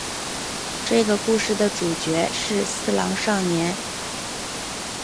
这个故事的主角是四郎少年。